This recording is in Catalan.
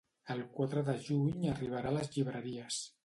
El quatre de juny arribarà a les llibreries.